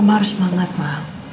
mama harus semangat ma